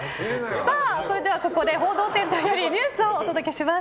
それでは報道センターからニュースをお届けします。